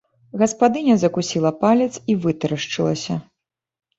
Гаспадыня закусіла палец і вытарашчылася.